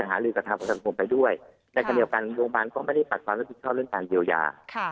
ในการเดียวกันโรงพยาบาลก็ไม่ได้ปัดความรับผิดชอบเรื่องการเยียวยา